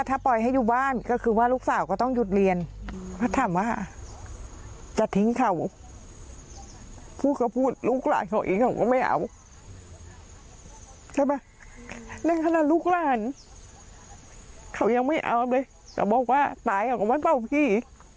ใช่ป่ะนั่นขนาดลูกร่านเขายังไม่เอาเลยแต่บอกว่าตายกับวัดเป้าพี่